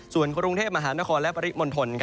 ส่วนกรุงเทพมหานครและปริมณฑล